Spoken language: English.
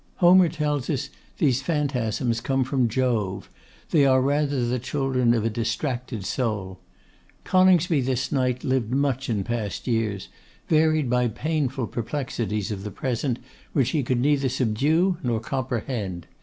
Homer tells us these phantasms come from Jove; they are rather the children of a distracted soul. Coningsby this night lived much in past years, varied by painful perplexities of the present, which he could neither subdue nor comprehend.